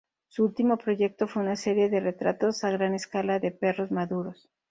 Su último proyecto fue una serie de retratos a gran escala de perros maduros.